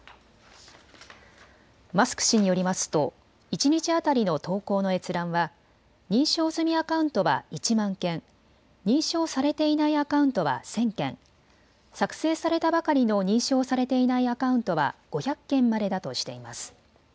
マスク氏によりますと一日当たりの投稿の閲覧は認証済みアカウントは１万件、認証されていないアカウントは１０００件、作成されたばかりの認証されていないアカウントは５００件までだとしています。